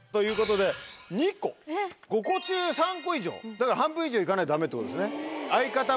だから半分以上いかないとダメってことですね。